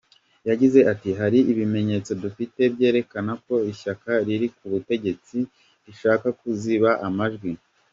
Yagize ati : “Hari ibimenyetso dufite byerekana ko ishyaka riri ku butegetsi rishaka kuziba amajwi.”